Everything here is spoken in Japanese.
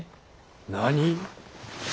何？